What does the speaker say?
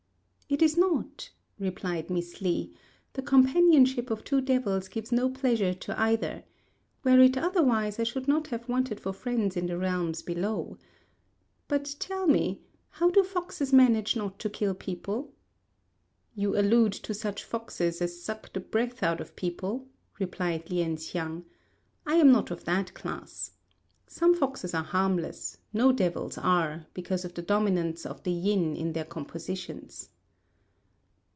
"It is not," replied Miss Li; "the companionship of two devils gives no pleasure to either. Were it otherwise, I should not have wanted for friends in the realms below. But tell me, how do foxes manage not to kill people?" "You allude to such foxes as suck the breath out of people?" replied Lien hsiang; "I am not of that class. Some foxes are harmless; no devils are, because of the dominance of the yin in their compositions."